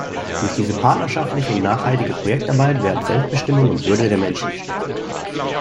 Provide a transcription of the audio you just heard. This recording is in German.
Durch diese partnerschaftliche und nachhaltige Projektarbeit werden Selbstbestimmung und Würde der Menschen gestärkt.